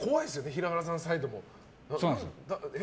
平原さんサイドも。え？